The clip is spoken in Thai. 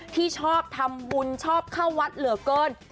ที่ชอบทำบุญชอบเข้าวัดเหลือเกิน